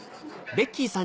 ベッキーさん。